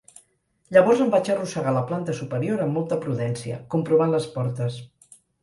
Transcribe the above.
Llavors em vaig arrossegar a la planta superior amb molta prudència, comprovant les portes.